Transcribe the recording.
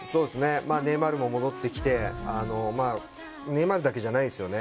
ネイマールも戻ってきてネイマールだけじゃないですよね。